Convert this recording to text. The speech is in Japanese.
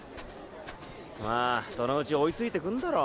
まそのうち追いついて来んだろ。。